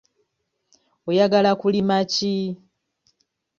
Oyagala kulima ki?